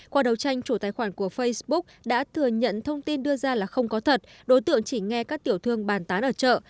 qua đấu tranh chủ tài khoản của facebook đã thừa nhận thông tin đưa ra là không có thật đối tượng chỉ nghe các tiểu thương bàn tán ở chợ